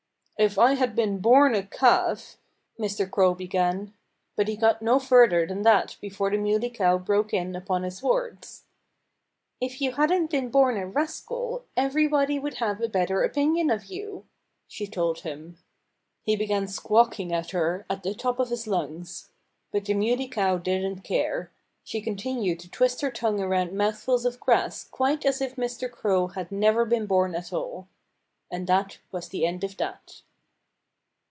"If I had been born a calf " Mr. Crow began. But he got no further than that before the Muley Cow broke in upon his words. "If you hadn't been born a rascal everybody would have a better opinion of you," she told him. He began squawking at her at the top of his lungs. But the Muley Cow didn't care. She continued to twist her tongue around mouthfuls of grass quite as if Mr. Crow had never been born at all. And that was the end of that.